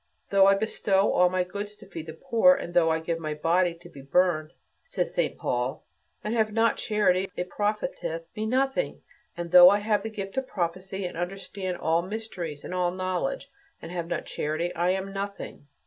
"Though I bestow all my goods to feed the poor, and though I give my body to be burned," says St Paul, "and have not charity, it profiteth me nothing. And though I have the gift of prophecy and understand all mysteries and all knowledge, and have not charity, I am nothing.